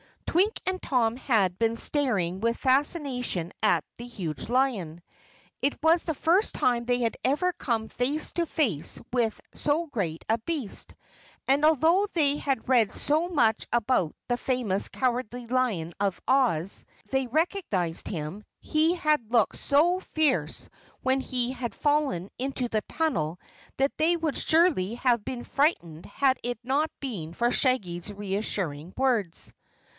Twink and Tom had been staring with fascination at the huge lion. It was the first time they had ever come face to face with so great a beast, and although they had read so much about the famous Cowardly Lion of Oz that they recognized him, he had looked so fierce when he had fallen into the tunnel that they would surely have been frightened had it not been for Shaggy's reassuring words.